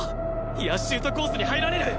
いやシュートコースに入られる